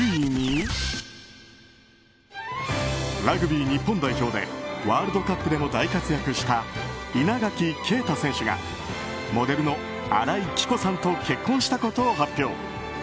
ラグビー日本代表でワールドカップでも大活躍した稲垣啓太選手がモデルの新井貴子さんと結婚したことを発表。